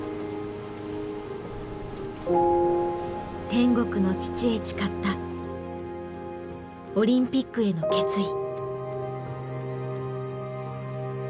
天国の父へ誓ったオリンピックへの決意。